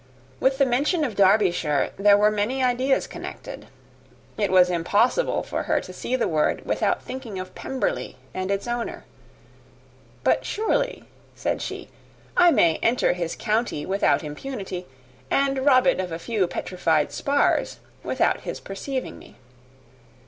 With the mention of Derbyshire, there were many ideas connected. It was impossible for her to see the word without thinking of Pemberley and its owner. "But surely," said she, "I may enter his county with impunity, and rob it of a few petrified spars, without his perceiving me."